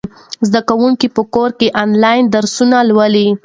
زده کوونکي په کور کې آنلاین درسونه لولي.